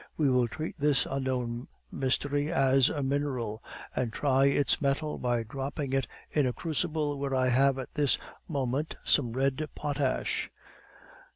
"We will treat this unknown mystery as a mineral, and try its mettle by dropping it in a crucible where I have at this moment some red potash."